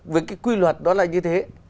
với cái quy luật đó là như thế